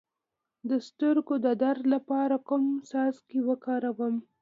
د سترګو د درد لپاره کوم څاڅکي وکاروم؟